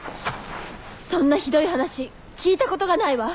そんなひどい話聞いたことがないわ！